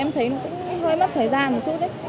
em thấy cũng hơi mất thời gian một chút đấy